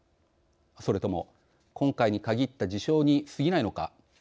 それとも今回に限った事象にすぎないのか。